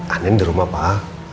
andien di rumah pak